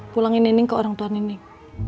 pulangin nining ke orang tua nenek